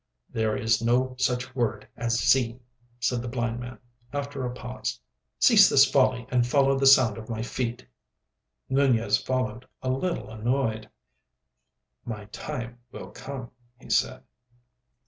"There is no such word as see," said the blind man, after a pause. "Cease this folly and follow the sound of my feet." Nunez followed, a little annoyed. "My time will come," he said.